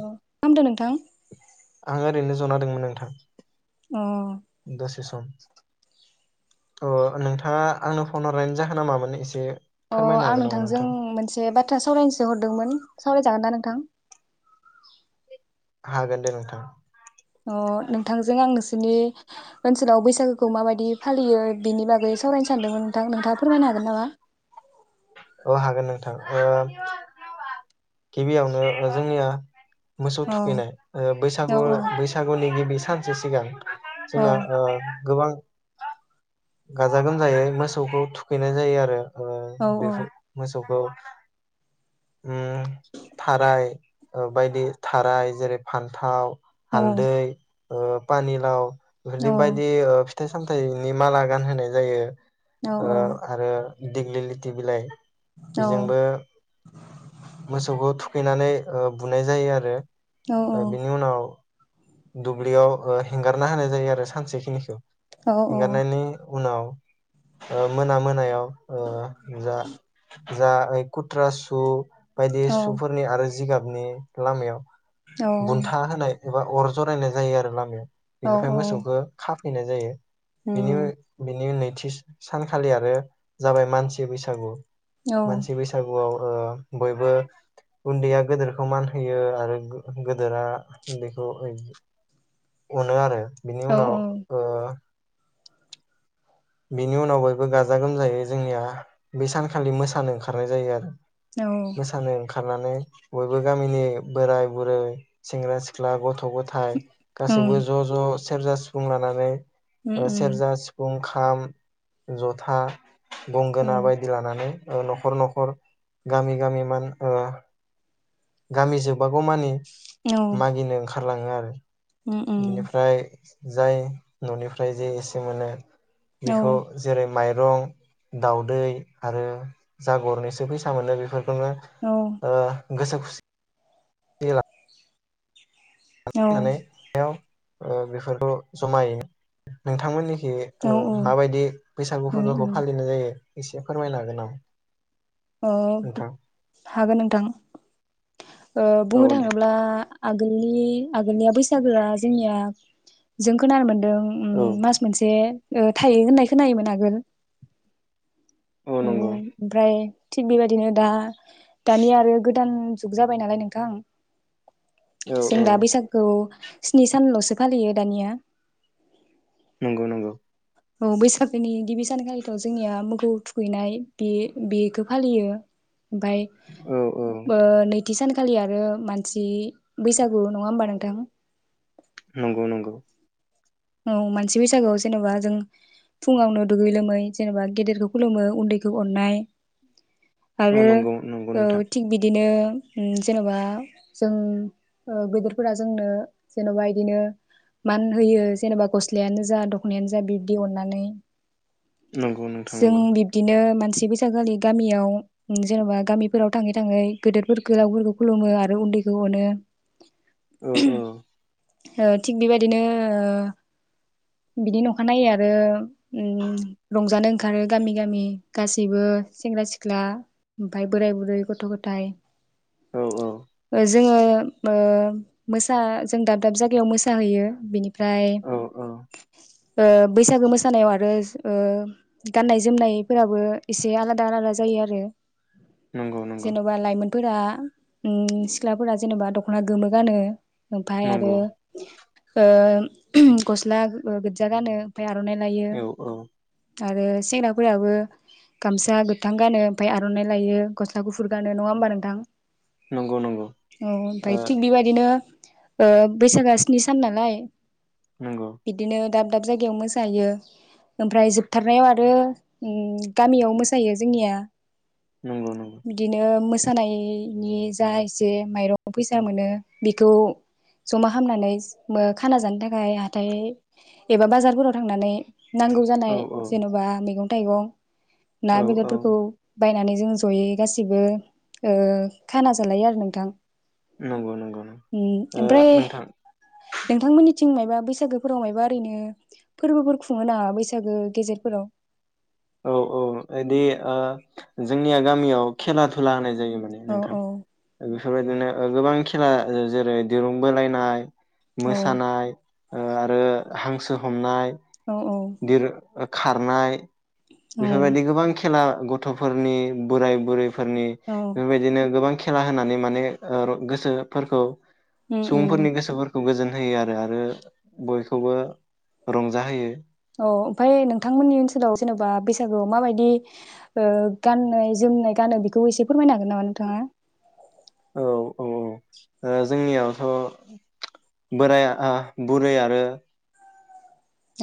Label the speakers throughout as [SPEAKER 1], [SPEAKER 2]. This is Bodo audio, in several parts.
[SPEAKER 1] अ मा खालामदों नोंथां
[SPEAKER 2] आं ओरैनो जना होदोंमोन नोंथां
[SPEAKER 1] अ
[SPEAKER 2] दसे सम अ नोंथाङा आंनो फन हरनायानो जाहोना मामोन? एसे
[SPEAKER 1] अ
[SPEAKER 2] फोरमायनो
[SPEAKER 1] आं
[SPEAKER 2] हागोन नामा
[SPEAKER 1] नोंथांजों
[SPEAKER 2] नोंथां
[SPEAKER 1] मोनसे बाथ्रा सावरायनोसो हरदोंमोन सावरायजागोनदा नोंथां
[SPEAKER 2] हागोन दे नोंथां
[SPEAKER 1] अ नोंथांजों आं नोंसोरनि ओनसोलाव बैसागोखौ माबायदि फालियो बिनि बागै सावरायनो सानदोंमोन नोंथां नोंथाङा फोरमायनो हागोन नामा
[SPEAKER 2] औ नोंथां ओ गिबियावनो ओ जोंनिया मोसौ
[SPEAKER 1] औ
[SPEAKER 2] थुखैनाय ओ
[SPEAKER 1] औ
[SPEAKER 2] बैसागु बैसागुनि गिबि सानसे सिगां जोंना ओ गोबां गाजा गोमजायै मोसौखौ थुखैनाय जायो आरो ओ
[SPEAKER 1] औ
[SPEAKER 2] बेफोर मोसौखौ। [inaudible] ओम थाराय बायदि थाराय जेरै फान्थाव
[SPEAKER 1] औ
[SPEAKER 2] हालदै ओ पानि लउ बिफोरनि बायदि फिथाइ सामथाइनि माला गान होनाय जायो
[SPEAKER 1] औ
[SPEAKER 2] ओ आरो दिग्लिलिटि बिलाइ बेजोंबो
[SPEAKER 1] औ
[SPEAKER 2] मोसौखौ थुखैनानै ओ बुनाय जायो आरो
[SPEAKER 1] औ
[SPEAKER 2] बिनि उनाव दुब्लियाव हेंगारना होनाय जायो आरो सानसेखिनिखौ इगारनानै उनाव मोना मोनायाव ओ जा जा कुट्रासु बायदि सुफोरनि आरो जिगाब बिनि लामायाव
[SPEAKER 1] औ
[SPEAKER 2] बुन्था होनाय एबा अर जरायनाय जायो आरो लामायाव
[SPEAKER 1] औ
[SPEAKER 2] बेनिफ्राय मोसौखौ खा फैनाय जायो बिनि
[SPEAKER 1] उम
[SPEAKER 2] बिनि उनैथि सानखालि आरो जाबाय मानसि बैसागु
[SPEAKER 1] औ
[SPEAKER 2] मानसि बैसागुआव ओ बयबो उन्दैया गोदोरखौ मान होयो आरो गोदोरा उन्दैखौ अनो आरो बिनि
[SPEAKER 1] औ
[SPEAKER 2] उनाव ओ बिनि उनाव बयबो गाजा गोमजायै जोंनिया बै सानखालि मोसानो ओंखारनाय जायो आरो
[SPEAKER 1] औ
[SPEAKER 2] मोसानो ओंखारनानै बयबो गामिनि बोराय बुरै सेंग्रा सिख्ला गथ' गथ' गथाय गासैबो
[SPEAKER 1] उम
[SPEAKER 2] ज' ज' सेरजा सिफुं लानानै
[SPEAKER 1] उम
[SPEAKER 2] ओ सेरजा
[SPEAKER 1] उम
[SPEAKER 2] सिफुं खाम जथा गंगोना बायदि लानानै ओं नखर नखर गामि गामि मान ओ गामि जोबबागौ मानि
[SPEAKER 1] औ
[SPEAKER 2] मागिनो ओंखारलाङो आरो
[SPEAKER 1] उम उम
[SPEAKER 2] बिनिफ्राय जाय ननिफ्राय जे एसे मोनो
[SPEAKER 1] औ
[SPEAKER 2] बेखौ जेरै माइरं दाउदै आरो जा गरनैसो फैसा मोनो बेफोर बेजोंनो
[SPEAKER 1] औ
[SPEAKER 2] ओ गोसो खुसि [unintelligible]
[SPEAKER 1] औ
[SPEAKER 2] [unintelligible] ओ बेफोरखौ जमायै नोंथांमोननि ओ
[SPEAKER 1] औ
[SPEAKER 2] माबायदि बैसागु
[SPEAKER 1] उम
[SPEAKER 2] फोरबोखौ
[SPEAKER 1] उम
[SPEAKER 2] फालिनाय जायो एसे फोरमायनो हागोन नामा
[SPEAKER 1] ओ
[SPEAKER 2] नोंथां?
[SPEAKER 1] हागोन नोंथां ओ बुंनो
[SPEAKER 2] औ दे
[SPEAKER 1] थाङोब्ला आगोलनि आगोलनिया बैसागोआ जोंनिया जों खोनानो मोन ओं उम
[SPEAKER 2] औ
[SPEAKER 1] मास मोनसे ओ थायो होननाय खोनायोमोन आगोल
[SPEAKER 2] औ
[SPEAKER 1] उम
[SPEAKER 2] नंगौ
[SPEAKER 1] ओमफ्राय थिग बेबायदिनो दा दानि आरो गो गोदान जुग जाबाय नालाय नोंथां
[SPEAKER 2] औ
[SPEAKER 1] जों
[SPEAKER 2] औ
[SPEAKER 1] दाब बैसागोखौ स्नि सानल'सो फालियो दानिया
[SPEAKER 2] नंगौ नंगौ
[SPEAKER 1] औ बैसागोनि गिबि सानखालिथ जोंनिया मोखौ थुखैनाय बे बेखौ फालियो ओमफ्राय
[SPEAKER 2] औ औ
[SPEAKER 1] ओ नै नैथि सानखालि आरो मानसि बैसागु नङा होमबा नोंथां
[SPEAKER 2] नंगौ नंगौ
[SPEAKER 1] औ मानसि बैसागोआव जेनेबा जों फुङावनो दुगै लोमै जेनेबा गेदेरखौ खुलुमो उन्दैखौ अननाय
[SPEAKER 2] औ
[SPEAKER 1] आरो
[SPEAKER 2] नंगौ नंगौ
[SPEAKER 1] औ
[SPEAKER 2] नोंथां
[SPEAKER 1] थिग बिदिनो उम जेनेबा जों ओ गोदोरफोरा जोंनो जेनबा इदिनो मान होयो जेनेबा गस्लायानो जा दखनायानो जा बिब्दि अननानै
[SPEAKER 2] नंगौ नोंथां
[SPEAKER 1] जों
[SPEAKER 2] नंगौ
[SPEAKER 1] बिब्दिनो मान सि बैसागोखालि गामियाव जेनेबा गामिफोराव थाङै थाङै गेदोरफोरखौ गोलावफोरखौ खुलुमो आरो उन्दैखौ अनो
[SPEAKER 2] औ औ
[SPEAKER 1] ओ थिग बेबायदिनो ओ बिदिनो अखानायै आरो उम रंजानो ओंखारो गामि गामि गासैबो सेंग्रा सिख्ला ओमफाय बोराय बुरै गथ' गथाय
[SPEAKER 2] औ
[SPEAKER 1] ओ जोङो अ मोसा जों दाब दाब जायगायाव मोसाहैयो बेनिफ्राय
[SPEAKER 2] औ औ औ
[SPEAKER 1] अ बैसागो मोसानायाव आरो ओ गाननाय जोमनायफोराबो एसे आलादा आलादा जायो आरो
[SPEAKER 2] नंगौ नंगौ
[SPEAKER 1] फोरा उम सिख्लाफोरा जेनेबा दखना गोमो गानो ओमफाय आरो
[SPEAKER 2] नंगौ
[SPEAKER 1] ओ गस्ला गोजा गानो बेनिफ्राय आर'नाइ लायो
[SPEAKER 2] औ औ
[SPEAKER 1] आरो सेंग्राफोराबो गामसा गोथां गानो ओमफाय आर'नाइ लायो गस्ला गुफुर गानो नङा होमबा नोंथां
[SPEAKER 2] नंगौ नंगौ
[SPEAKER 1] औ
[SPEAKER 2] ओ
[SPEAKER 1] ओमफाय थिग बेबायदिनो ओ बैसागा स्नि सान नालाय
[SPEAKER 2] नंगौ
[SPEAKER 1] बिदिनो दाब दाब जायगायाव मोसायो ओमफ्राय जोबथारनायाव आरो उम गामियाव मोसायो जोंनिया
[SPEAKER 2] नंगौ नंगौ
[SPEAKER 1] बिदिनो मो सानायनि नि जा एसे माइरं फैसा मोनो बेखौ जमा खालामनानै मो खाना जानो था नाय हाथाय एबा बाजारफोराव थांनानै नांगौ
[SPEAKER 2] औ
[SPEAKER 1] जानाय
[SPEAKER 2] औ
[SPEAKER 1] जेन'बा मैगं थाइगं ना
[SPEAKER 2] औ
[SPEAKER 1] बेदर
[SPEAKER 2] औ
[SPEAKER 1] फोरखौ बायनानै जों जयै गासिबो ओ खाना जालायो आरो नोंथां
[SPEAKER 2] नंगौ नंगौ ओ
[SPEAKER 1] ओमफ्राय
[SPEAKER 2] नोंथां
[SPEAKER 1] नोंथांमोननि थिं मायबा बैसागोफोराव मायबा ओरैनो फोरबोफोर खुङो नाङा बैसागो गेजेरफोराव
[SPEAKER 2] औ औ इदि ओ जोंनिया गामियाव खेला धुला होनाय जायो माने
[SPEAKER 1] औ
[SPEAKER 2] नोंथां
[SPEAKER 1] औ
[SPEAKER 2] बेफोरबायदिनो अ गोबां खेला जेरै दिरुं बोलायनाय
[SPEAKER 1] औ
[SPEAKER 2] मोसानाय ओं आरो हांसो हमनाय
[SPEAKER 1] औ औ
[SPEAKER 2] ओ खारनाय
[SPEAKER 1] औ
[SPEAKER 2] बेफोरबायदि गोबां खेला गथ'फोरनि बोराइ बुरै फोरनि
[SPEAKER 1] औ
[SPEAKER 2] बेबायदिनो गोबां खेला होनानै माने ओ गोसोफोरखौ
[SPEAKER 1] उम उम
[SPEAKER 2] सुबुंफोरनि गोसोफोरखौ खौ गोजोन होयो आरो आरो बयखौबो रंजाहोयो
[SPEAKER 1] औ ओमफ्राय नोंथांमोननि ओनसोलाव जेनेबा बैसागुआव माबायदि ओ गाननाय जोमनाय गानो बेखौ एसे फोरमायनो हागोन नामा नोंथाङा
[SPEAKER 2] औ औ औ जोंनियावथ' बोराइआ बुरै आरो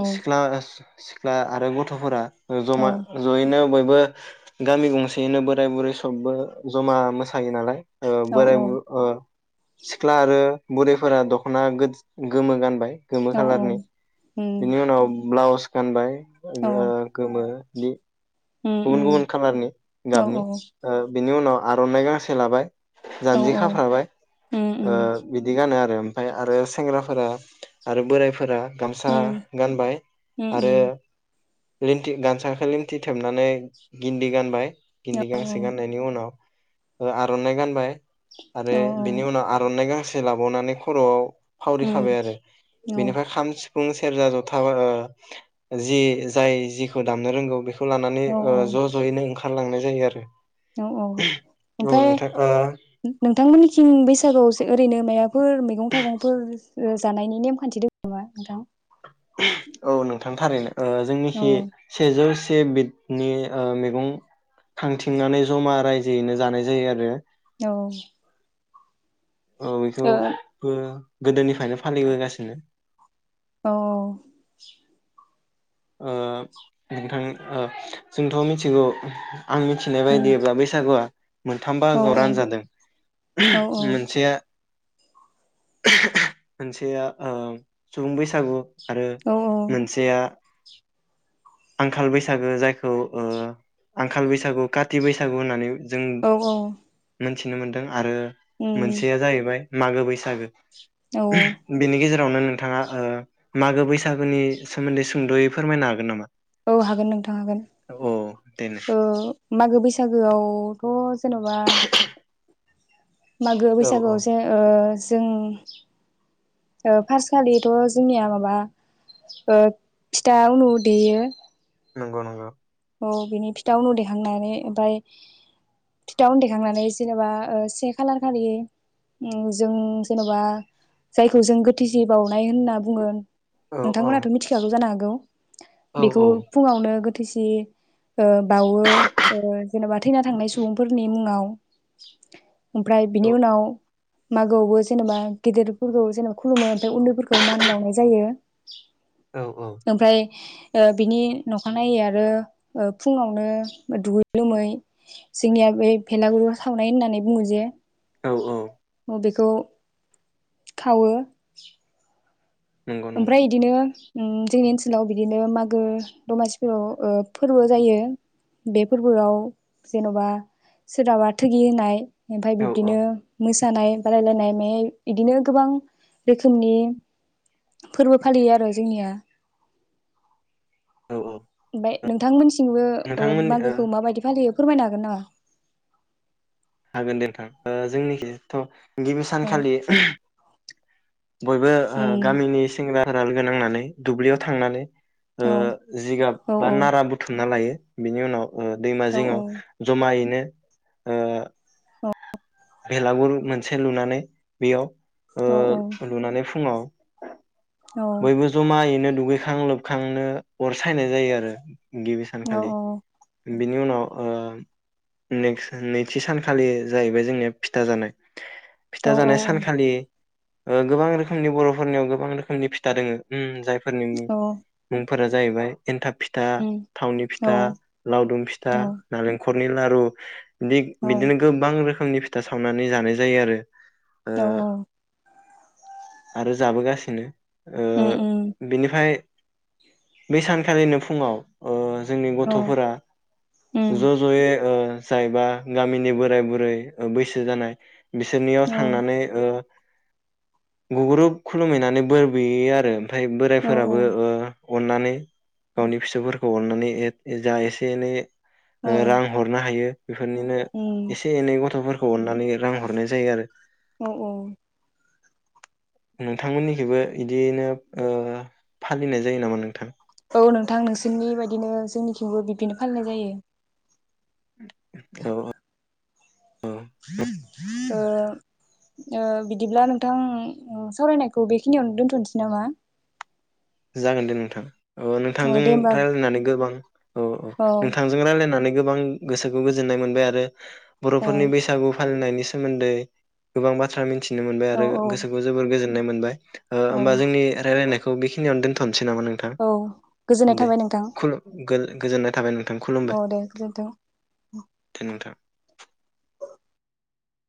[SPEAKER 1] औ
[SPEAKER 2] सिख्ला सिख्ला आरो गथ'फोरा ओ
[SPEAKER 1] औ
[SPEAKER 2] जमा जयैनो बयबो बो गामि गंसेयैनो बोराय बुरै सबबो जमा मोसायो नालाय ओ
[SPEAKER 1] औ
[SPEAKER 2] बोराइ बुर सिख्ला आरो बुरैफोरा दख'ना गोज गोमो गानबाय गोमो
[SPEAKER 1] औ
[SPEAKER 2] खालारनि
[SPEAKER 1] उम
[SPEAKER 2] बिनि उनाव ब्लाउस गानबाय
[SPEAKER 1] औ
[SPEAKER 2] ओ गोमो इदि
[SPEAKER 1] उम
[SPEAKER 2] गुबुन
[SPEAKER 1] उम
[SPEAKER 2] गुबुन खालारनि
[SPEAKER 1] औ
[SPEAKER 2] गाबनि ओ बिनि उनाव आर'नाइ गांसे लाबाय
[SPEAKER 1] औ
[SPEAKER 2] जानजि खाफ्राबाय
[SPEAKER 1] उम
[SPEAKER 2] ओ
[SPEAKER 1] उम
[SPEAKER 2] बिदि गानो आरो ओमफाय आरो सेंग्राफोरा आरो बोराइफोरा गामसा
[SPEAKER 1] उम
[SPEAKER 2] गानबाय
[SPEAKER 1] औ
[SPEAKER 2] आरो लेनथि गानसाखौ लेनथि थेबना नानै गिनदि गानबाय
[SPEAKER 1] औ
[SPEAKER 2] गिनदि गांसे गाननायनि उनाव ओ आर'नाइ‌ गानबाय आरो
[SPEAKER 1] औ
[SPEAKER 2] बिनि उनाव आर'नाइ गांसे लाबावनानै खर'आव फावरिखाबाय आरो बेनिफ्राय खाम सिफुं सिफुं सेरजा जथा ओ जि जाय जिखौ दामनो रोंगौ बेखौ लानानै ओ ज' ज'यैनो ओंखारलांनाय जायो आरो
[SPEAKER 1] औ औ
[SPEAKER 2] औ
[SPEAKER 1] ओमफ्राय
[SPEAKER 2] नोंथां ओ
[SPEAKER 1] नोंथांमोननिखिं बैसागुआवसो ओरैनो माइबाफोर मैगं थाइगंफोर जानायनि नेमखान्थि दङ नामा नोंथां
[SPEAKER 2] [unintelligible] औ नोंथां थारैनो ओ
[SPEAKER 1] औ
[SPEAKER 2] जोंनिखि सेजौस एसे बिदनि मैगं खांथिंनानै जमा रायजोयैनो जानाय जायो आरो
[SPEAKER 1] औ
[SPEAKER 2] औ बेखौ बो गोदोनिफ्रायनो फालिबोगासिनो।
[SPEAKER 1] औ
[SPEAKER 2] अनोंथां अ जोंथ' मिथिगौ आं मिथिनाय
[SPEAKER 1] उम
[SPEAKER 2] बायदिब्ला बैसागुआ मोनथामबा
[SPEAKER 1] औ
[SPEAKER 2] गावरान जादों
[SPEAKER 1] औ
[SPEAKER 2] मोनसेया मोनसेया सुबुं बैसागु आरो
[SPEAKER 1] औ
[SPEAKER 2] मोनसेया आंखाल बैसागो जायखौ अ आंखाल बैसागु काति बैसागु होननानै ओम
[SPEAKER 1] औ औ
[SPEAKER 2] [unintelligible] मिथिनो मोनदों आरो
[SPEAKER 1] उम
[SPEAKER 2] मोनसेया जाहैबाय मागो बैसागो
[SPEAKER 1] औ
[SPEAKER 2] बिनि गेजेर नो नोंथाङा मागो बैसागुनि सोमोन्दै सुंद'यै फोरमायनो हागोन नामा?
[SPEAKER 1] औ हागोन नोंथां हागोन
[SPEAKER 2] औ दे नों
[SPEAKER 1] अ मागो बैसागोआवथ' जेन'बा मागो
[SPEAKER 2] औ औ
[SPEAKER 1] बैसागोआवसो ओ जों अ फार्सखालिथ' जोंनिया माबा ओ फिथा उनु देयो
[SPEAKER 2] नंगौ नंगौ
[SPEAKER 1] औ बिनि फिथा उन देखांनानै ओमफ्राय फिथा उन देखांनानै जेनेबा अ-से खालार खालि ओम जों जेन'बा जायखौ जों गोथिसि बावउनाय होनना बुङो।
[SPEAKER 2] औ
[SPEAKER 1] नोंथांमोनहाथ' मिथिखागौ जानो हागौ।
[SPEAKER 2] औ
[SPEAKER 1] बेखौ
[SPEAKER 2] औ
[SPEAKER 1] फुङावनो गत [inaudible] थिसि [unintelligible] ओ-बावो ओ जेन'बा थैना थांनाय सुबुंफोरनि मुङाव [unintelligible] ओमफ्राय बिनि
[SPEAKER 2] औ
[SPEAKER 1] उनाव मागोआवबो जेनेबा गिदिरफोरखौ जेनेबा खुलुमो ओमफ्राय उन्दैफोरखौ मान बाउनाय जायो
[SPEAKER 2] औ
[SPEAKER 1] ओमफ्राय ओ बिनि नखानायै आरो ओ फुङावनो दुगै लोमै जोंनिया बे भेलागुरु सावनाय होननानै बुङो जे
[SPEAKER 2] औ औ
[SPEAKER 1] अ बे खौ खावो
[SPEAKER 2] नंगौ नंगौ
[SPEAKER 1] ओमफ्राय इदिनो उम जोंनि ओनसोलाव बिदिनो मागो दमासिफोराव ओ फोरबो जायो बे फोरबोआव जेन'बा सोराबा थोगि होनाय ओमफाय
[SPEAKER 2] औ औ
[SPEAKER 1] बिदिनो मोस सानाय बादायलायनाय मे इदिनो गोबां रोखोमनि फोरबो फालियो आरो जोंनिया
[SPEAKER 2] औ औ
[SPEAKER 1] नोंथांमोनसि थिंबो ओ मागोखौ मा बायदि फालियो फोरमायनो हागोन नामा
[SPEAKER 2] हागोन दे नोंथां जोंनिखिथ' गिबि
[SPEAKER 1] अ
[SPEAKER 2] सानखालि बयबो
[SPEAKER 1] औ
[SPEAKER 2] हो गामिनि सेंग्रा फोरा लोगो नांनानै दुब्लियाव थांनानै ओ जिगाब बा नारा बुथुमना लायो बिनि उनाव ओ दैमा जिङाव जमायैनो ओ
[SPEAKER 1] औ
[SPEAKER 2] भेलागुर मोनसे लुनानै बेयाव ओ लुनानै फुङाव बयबो ज'मायैनो दुगै खां लोबखांनो अर सायनाय जायो आरो गिबि सानखालि उम बिनि उनाव ओ नेक्स नैथि सानखालि जाहैबाय जोंनिया फिथा जानाय फिथा जानाय सानखालि ओ गोबां रोखोमनि बर'फोरनियाव गोबां रोखोमनि फि था दोङो उम जायफ फोरनि मुं मुं फोरा जाहैबाय एन्थाब फिथा थावनि फिथा लावदुम फिथा नालेंख खरनि लारु बिदिनो गोबां रोखोम फोंनि फिथा सावनानै जानाय जायो आरो ओ आरो जाबोगासिनो ओ बिनिफ्राय बे सानखालिनो फुङाव ओ जोंनि गथ'फोरा ज' ज'यै ओ जाय बा गामिनि बोराय बुरै बैसो जानाय बिसोरनियाव थांनानै ओ गुग्रुब खुलुमहैनानै बोर बे आरो ओमफाय बोरायफोराबो ओ अननानै गावनि फिसौफोरखौ अननानै जा एसे एनै रां हरनो हायो बेफोरनिनो एसे एनै गथ'फोर खौ अननानै रां हरनाय जायो आरो
[SPEAKER 1] औ औ
[SPEAKER 2] नोंथांमोननिखैबो बिदियैनो ओ फालिनाय जायो नामा नोंथां
[SPEAKER 1] औ नोंथां नोंसोरनि बायदिनो जोंनिथिंबो बिब्दिनो फालिनाय जायो
[SPEAKER 2] [inaudible] औ
[SPEAKER 1] [inaudible] ओ ओ बिदिब्ला नोंथां सावरायनायखौ बेखिनियावनो दोन्थ'नोसै नामा
[SPEAKER 2] जागोन दे नोंथां ओ
[SPEAKER 1] औ
[SPEAKER 2] नोंथांजों
[SPEAKER 1] दे होमबा
[SPEAKER 2] रायलायनानै गोबां औ औ नोंथांजों रायजलायनानै गोबां गोसोखौ गोजोननाय मोनबाय आरो
[SPEAKER 1] औ
[SPEAKER 2] बर'फोरनि बैसागु फालिनायनिस सोमोन्दै गोबां बाथ्रा मिनथि थिनो मोनबाय
[SPEAKER 1] औ
[SPEAKER 2] आरो गोसोखौ जोबोर गोजोन नाय मोनबाय ओ
[SPEAKER 1] औ
[SPEAKER 2] होमबा जोंनि रायजलायनायखौ बेखि खिनियावनो दोनथनो
[SPEAKER 1] औ गोजोननाय थाबाय नोंथां।
[SPEAKER 2] गो-गोजोन गोजोननाय थाबाय नों
[SPEAKER 1] औ दे गोजोनथों
[SPEAKER 2] दे नोंथां।